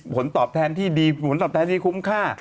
ผลตอบแทนที่ดีผลตอบแทนที่คุ้มค่า